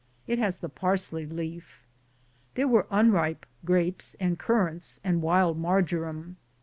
It has the parsley leaf. There were unripe grapes and currants (?) and wild mar joram.